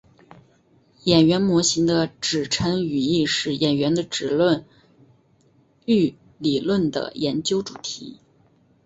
演员模型的指称语义是演员的指称域理论的研究主题。